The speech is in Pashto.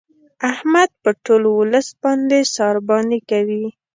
احمد په ټول ولس باندې سارباني کوي.